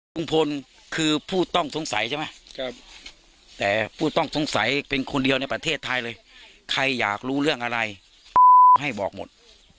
ลุงพลคือผู้ต้องสงสัยใช่ไหมแต่ผู้ต้องสงสัยเป็นคนเดียวในประเทศไทยเลยใครอยากรู้เรื่องอะไรให้บอกหมด